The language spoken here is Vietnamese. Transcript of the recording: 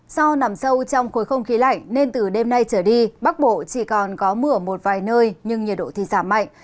do nằm sâu trong khối không khí lạnh nên từ đêm nay trở đi bắc bộ chỉ còn có mưa một vài nơi nhưng nhiệt độ thì giảm mạnh